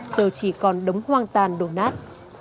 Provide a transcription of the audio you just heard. giờ chỉ còn đống hoang tàn đổ nát